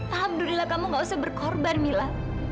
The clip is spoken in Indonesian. alhamdulillah kamu gak usah berkorban mila